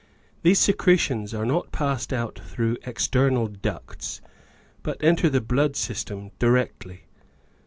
These secretions are not passed out through external ducts but enter the blood system directly.